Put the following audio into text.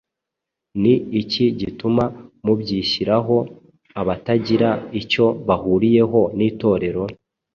ni iki gituma mubishyiraho abatagira icyo bahuriyeho n’Itorero,